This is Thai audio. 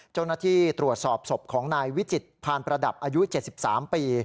เจ้าหน้าที่ตรวจสอบศพของนายวิจิตพานประดับอายุ๗๓ปี